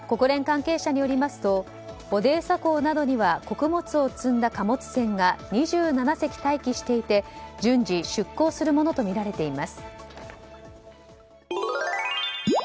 国連関係者によりますとオデーサ港などには穀物を積んだ貨物船が２７隻待機していて順次出港するものとみられています。